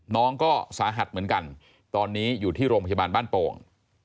น้องก็สาหัสเหมือนกันตอนนี้อยู่ที่โรงพยาบาลบ้านโป่ง